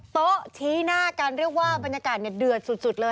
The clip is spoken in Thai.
โต๊ะชี้หน้ากันเรียกว่าบรรยากาศเดือดสุดเลย